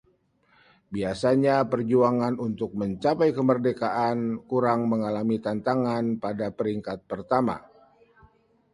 biasanya perjuangan untuk mencapai kemerdekaan kurang mengalami tantangan pada peringkat pertama